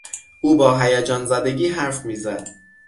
او با هیجانزدگی حرف میزد.